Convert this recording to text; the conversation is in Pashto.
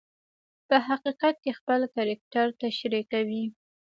په حقیقت کې خپل کرکټر تشریح کوي.